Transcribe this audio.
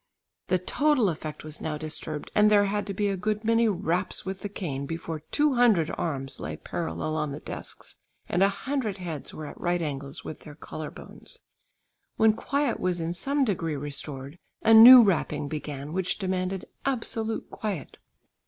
The total effect was now disturbed, and there had to be a good many raps with the cane before two hundred arms lay parallel on the desks and a hundred heads were at right angles with their collar bones. When quiet was in some degree restored a new rapping began which demanded absolute quiet.